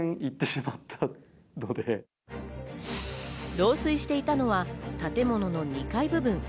漏水していたのは建物の２階部分。